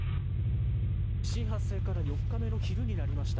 地震発生から４日目の昼になりました。